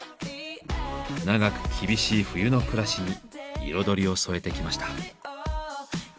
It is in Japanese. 長く厳しい冬の暮らしに彩りを添えてきました。